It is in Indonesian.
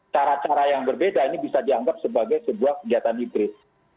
cara cara yang berbeda ini bisa dianggap sebagai sebuah kegiatan hibris